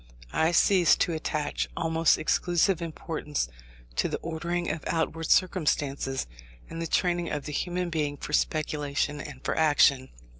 I ceased to attach almost exclusive importance to the ordering of outward circumstances, and the training of the human being for speculation and for action.